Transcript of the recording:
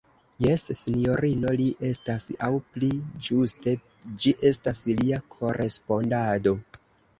Jes, sinjorino, li estas; aŭ pli ĝuste, ĝi estas lia korespondado.